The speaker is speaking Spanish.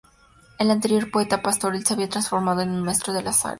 El anterior poeta pastoril se había transformado en un maestro de la sátira.